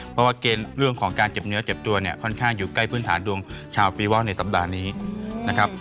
เพราะว่าเกณฑ์เรื่องของการเจ็บเนื้อเจ็บตัวเนี่ยค่อนข้างอยู่ใกล้พื้นฐานดวงชาวปีวอลในสัปดาห์นี้นะครับ